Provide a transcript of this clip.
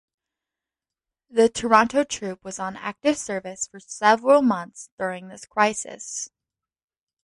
The Toronto troop was on active service for several months during this crisis.